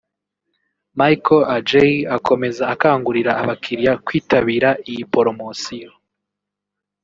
Michael Adjei akomeza akangurira abakiriya kwitabira iyi poromosiyo